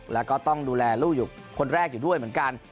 แล้วก็ต้องดูแลลูกอยู่คนแรกอยู่ด้วยเหมือนกัน